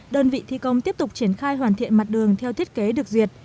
đơn vị thi công tiếp tục triển khai hoàn thiện mặt đường theo thiết kế được duyệt